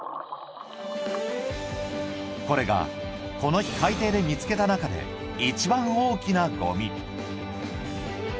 これがこの日海底で見つけた中で一番大きなゴミ